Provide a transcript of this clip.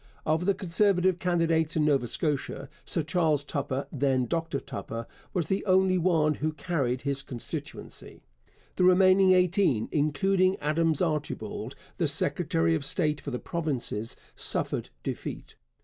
Of the Conservative candidates in Nova Scotia, Sir Charles Tupper, then Dr Tupper, was the only one who carried his constituency. The remaining eighteen, including Adams Archibald, the secretary of state for the provinces, suffered defeat.